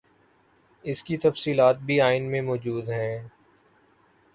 اس کی تفصیلات بھی آئین میں موجود ہیں۔